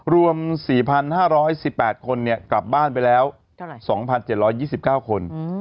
รวม๔๕๑๘คนกลับบ้านไปแล้ว๒๗๒๙คน